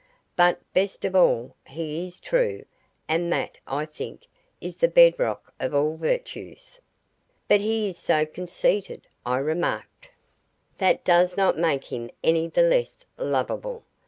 But, best of all, he is true, and that, I think, is the bedrock of all virtues." "But he is so conceited," I remarked. "That does not make him any the less lovable.